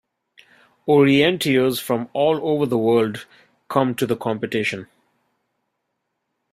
Orienteers from all over the world come to the competition.